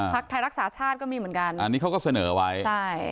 ไทยรักษาชาติก็มีเหมือนกันอันนี้เขาก็เสนอไว้ใช่